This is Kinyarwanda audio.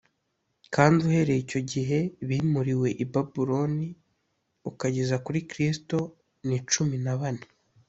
kandi uhereye icyo gihe bimuriwe i Babuloni ukageza kuri Kristo ni cumi na bane.